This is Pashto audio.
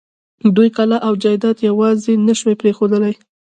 دوی کلا او جايداد يواځې نه شوی پرېښودلای.